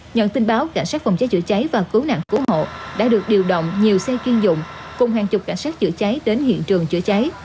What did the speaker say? nhận tin báo cảnh sát phòng cháy chữa cháy và cứu nạn cứu hộ đã được điều động nhiều xe chuyên dụng cùng hàng chục cảnh sát chữa cháy đến hiện trường chữa cháy